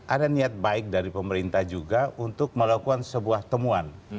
ada niat baik dari pemerintah juga untuk melakukan sebuah temuan